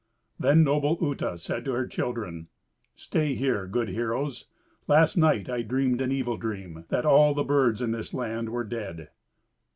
Then noble Uta said to her children, "Stay here, good heroes. Last night I dreamed an evil dream, that all the birds in this land were dead."